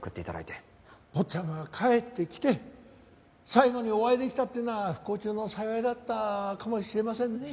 坊ちゃんが帰ってきて最後にお会いできたっていうのは不幸中の幸いだったかもしれませんね。